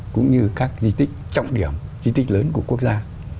cũng như các di tích trọng điểm di tích lớn của quốc gia